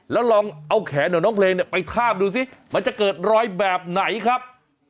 แล้วลองเอาแขนของน้องเพลงเนี่ยไปทาบดูสิมันจะเกิดรอยแบบไหนครับ